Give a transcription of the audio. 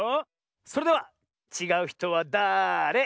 それでは「ちがうひとはだれ？」